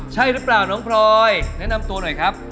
ใช่หรือเปล่าน้องพลอยแนะนำตัวหน่อยครับ